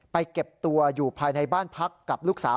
เก็บตัวอยู่ภายในบ้านพักกับลูกสาว